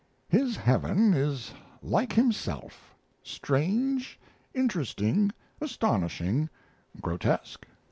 His heaven is like himself: strange, interesting, astonishing, grotesque.